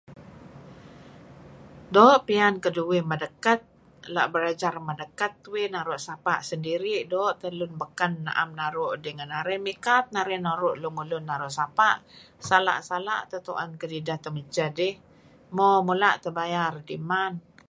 Doo' piyan keduih medeket. La' belajar medekat uih naru' sapa' sendiri doo' teh am lun beken naru' dih ngan narih mikat narih nuru' lemulun naru' sapa' , sala'-sala' teh tu'en kedidah temichah dih, mo mula' teh bayar dih man.